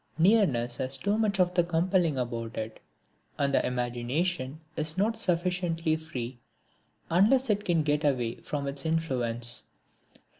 Nearness has too much of the compelling about it and the imagination is not sufficiently free unless it can get away from its influence.